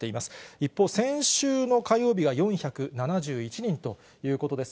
一方、先週の火曜日は４７１人ということです。